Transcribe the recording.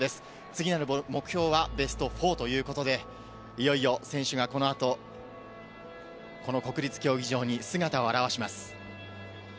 次なる目標はベスト４ということで、いよいよ選手が、この後、国立競技場に姿を現します。